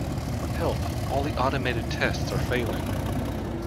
Help! All the automated tests are failing!